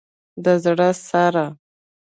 د زړه سره